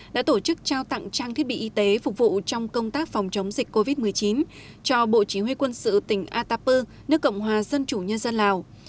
đã tổ chức trao tặng trang thiết bị y tế phục vụ trong công tác phòng chống dịch covid một mươi chín cho bộ chỉ huy quân sự tỉnh atapu nước cộng hòa dân chủ nhân dân lào